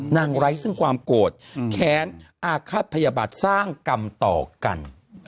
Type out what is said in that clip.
ไร้ซึ่งความโกรธแค้นอาฆาตพยาบัตรสร้างกรรมต่อกัน